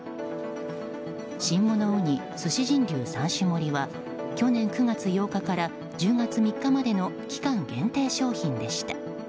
新物うに鮨し人流３種盛りは去年９月８日から１０月３日までの期間限定商品でした。